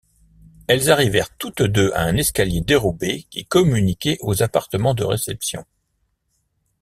Elles arrivèrent toutes deux à un escalier dérobé qui communiquait aux appartements de réception.